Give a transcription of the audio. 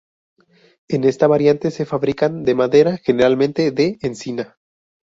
En esta variante se fabrican de madera, generalmente de encina.